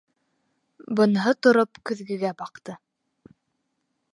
Быныһы тороп көҙгөгә баҡты.